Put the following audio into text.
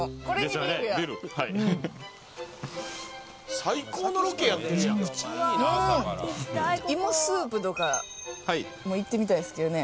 ビールはいうん芋スープとかもいってみたいですけどね